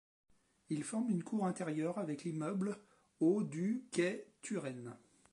Il forme une cour intérieure avec l'immeuble au du quai Turenne.